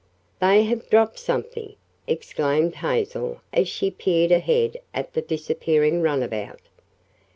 "They have dropped something!" exclaimed Hazel as she peered ahead at the disappearing runabout.